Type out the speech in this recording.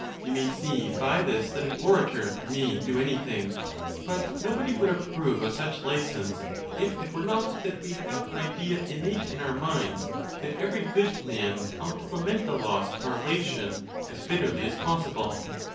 You may see by this that an orator may do anything; but nobody would approve of such license if it were not that we have an idea innate in our minds that every good man ought to lament the loss of a relation as bitterly as possi ble.